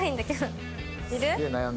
いる？